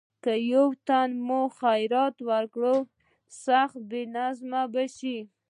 که یو تن ته مو خیرات ورکړ سخت بې نظمي به شي.